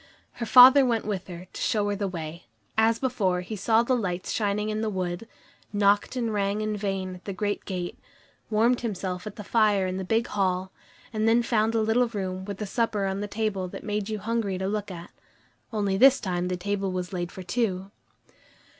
Her father went with her, to show her the way. As before, he saw the lights shining through the wood, knocked and rang in vain at the great gate, warmed himself at the fire in the big hall, and then found the little room with the supper on the table that made you hungry to look at. Only this time the table was laid for two.